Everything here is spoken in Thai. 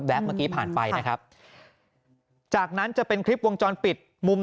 เมื่อกี้ผ่านไปนะครับจากนั้นจะเป็นคลิปวงจรปิดมุม